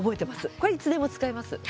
これ、いつでも使えます。